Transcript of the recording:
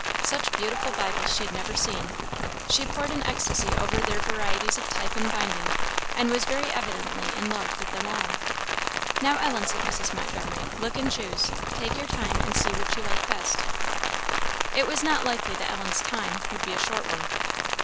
Such beautiful Bibles she had never seen; she pored in ecstasy over their varieties of type and binding, and was very evidently in love with them all. "Now, Ellen," said Mrs. Montgomery, "look and choose; take your time, and see which you like best." It was not likely that Ellen's "time" would be a short one.